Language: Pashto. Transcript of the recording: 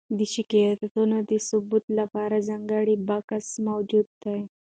د شکایتونو د ثبت لپاره ځانګړی بکس موجود دی.